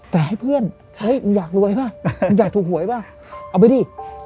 แต่ให้เพื่อนอยากรวยป่ะอยากถูกหวยป่ะเอาไปดิ